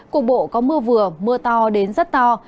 cục bộ có mưa vừa mưa to đến rất to